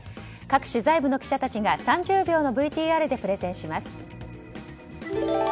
各取材部の記者たちが３０秒のＶＴＲでプレゼンします。